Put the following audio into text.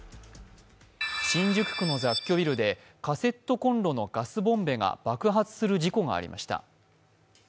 新宿区の雑居ビルでカセットこんろのガスボンベが爆発する事故がありました。